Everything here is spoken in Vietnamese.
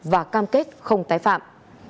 và cam kết không tái phạm